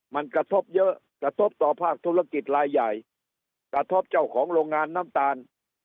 มันกระทบเยอะกระทบต่อภาคธุรกิจลายใหญ่กระทบเจ้าของโรงงานน้ำตาล